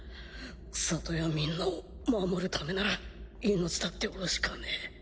里やみんなを守るためなら命だって惜しかねえ。